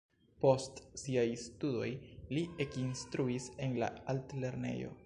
Post siaj studoj li ekinstruis en la altlernejo.